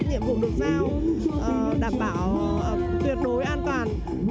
nhiệm vụ được giao đảm bảo tuyệt đối an toàn